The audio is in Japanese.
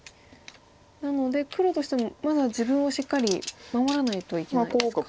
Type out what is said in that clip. なので黒としてもまだ自分をしっかり守らないといけないですか。